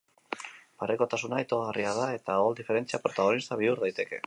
Parekotasuna itogarria da eta gol diferentzia protagonista bihur daiteke.